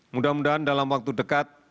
mudah mudahan dalam waktu dekat